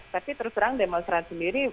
tapi terus terang demonstran sendiri